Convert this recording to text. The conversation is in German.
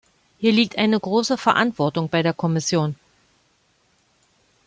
Hier liegt eine große Verantwortung bei der Kommission.